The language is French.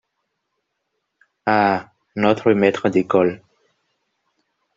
Ah ! notre maître d’école !…